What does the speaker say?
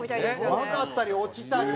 曲がったり落ちたり。